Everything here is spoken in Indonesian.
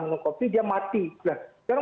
minum kopi dia mati nah jangan